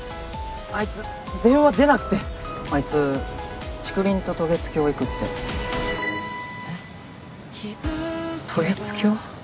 あいつ電話出なくてあいつ竹林と渡月橋行くってえ渡月橋？